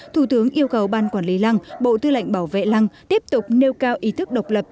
thủ tướng yêu cầu ban quản lý lăng bộ tư lệnh bảo vệ lăng tiếp tục nêu cao ý thức độc lập